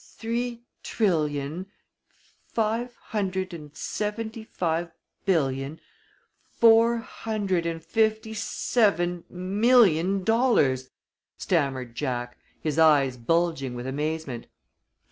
"Three trillion five hundred and seventy five billion four hundred and fifty seven million dollars," stammered Jack, his eyes bulging with amazement.